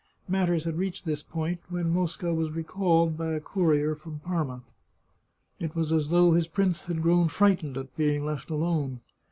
Matters had reached this point, when Mosca was recalled by a courier from Parma. It was as though his prince had grown fright ened at being left alone.